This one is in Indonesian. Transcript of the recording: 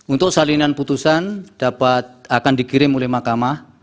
untuk salinan putusan dapat akan dikirim oleh mahkamah